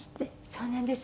そうなんです。